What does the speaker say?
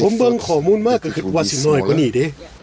ผมเบิ้งขอมูลมากกว่าคือวัดสิน่อยกว่านี่ดิ